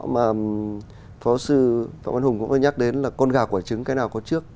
mà phó sư phạm văn hùng cũng phải nhắc đến là con gà quả trứng cái nào có trước